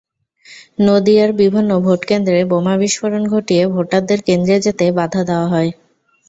নদীয়ার বিভিন্ন ভোটকেন্দ্রে বোমা বিস্ফোরণ ঘটিয়ে ভোটারদের কেন্দ্রে যেতে বাধা দেওয়া হয়।